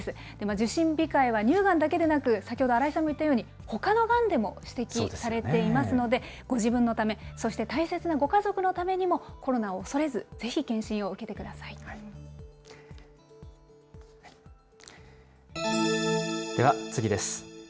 受診控えは乳がんだけでなく、先ほど新井さんも言ったようにほかのがんでも指摘されていますので、ご自分のため、そして大切なご家族のためにもコロナを恐れず、ぜでは、次です。